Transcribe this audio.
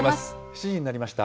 ７時になりました。